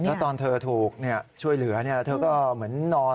แล้วตอนเธอถูกช่วยเหลือเธอก็เหมือนนอน